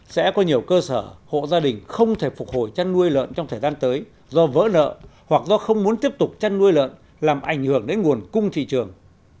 sẽ có nhiều cơ sở hộ gia đình không thể phục hồi chăn nuôi lợn trong thời gian tới do vỡ nợ hoặc do không muốn tiếp tục chăn nuôi lợn làm ảnh hưởng đến nguồn cung thị trường